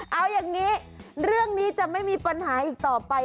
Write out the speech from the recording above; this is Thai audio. เอาอย่างนี้เรื่องนี้จะไม่มีปัญหาอีกต่อไป